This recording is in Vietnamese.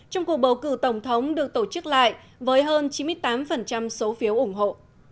trong cuộc bầu cử tổng thống được tổ chức lại với hơn chín mươi tám số phiếu ủng hộ